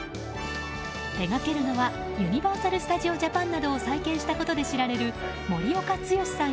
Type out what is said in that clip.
手がけるのはユニバーサル・スタジオ・ジャパンなどを再建したことで知られる森岡毅さん